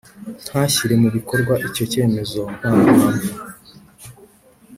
ntashyire mu bikorwa icyo cyemezo nta mpamvu